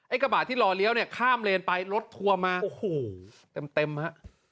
กระบะที่รอเลี้ยวเนี่ยข้ามเลนไปรถทัวร์มาโอ้โหเต็มฮะ